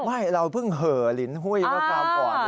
ไม่เราเพิ่งเหอลิ้นหุ้ยเมื่อกว่า